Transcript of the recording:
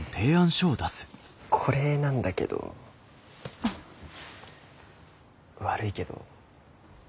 これなんだけど悪いけど。